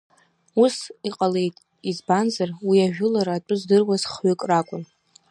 Ус иҟалеит, избанзар, уи ажәылара атәы здыруаз хҩык ракәын.